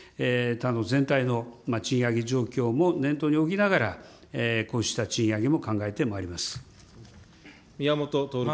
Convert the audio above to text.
全体の賃上げ状況も念頭に置きながら、こうした賃上げも考えてま宮本徹君。